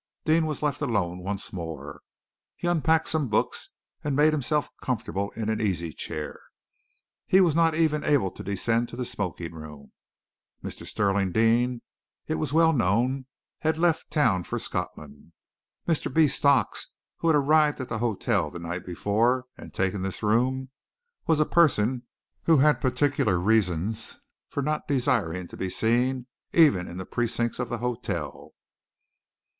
Deane was left alone once more. He unpacked some books, and made himself comfortable in an easy chair. He was not able even to descend to the smoking room. Mr. Stirling Deane, it was well known, had left town for Scotland. Mr. B. Stocks, who had arrived at the hotel the night before and taken this room, was a person who had particular reasons for not desiring to be seen even in the precincts of the hotel.